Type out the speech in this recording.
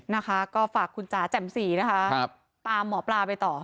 นะคะก็ฝากคุณจ๋าแจ่มสีนะคะตามหมอปลาไปต่อ